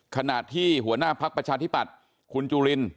ขณะที่หัวหน้าพักประชาธิปัตย์คุณจุลิน